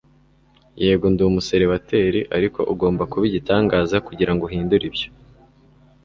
yego, ndi umuseribateri, ariko ugomba kuba igitangaza kugirango uhindure ibyo